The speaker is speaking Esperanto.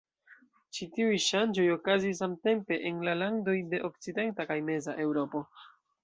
Ĉi tiuj ŝanĝoj okazis samtempe en la landoj de okcidenta kaj meza Eŭropo.